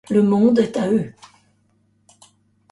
Le monde est à eux.